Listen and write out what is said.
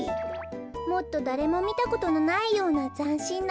もっとだれもみたことのないようなざんしんな